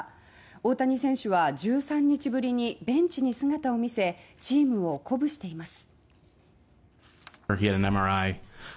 大谷選手は１３日ぶりにベンチに姿を見せチームを鼓舞しています。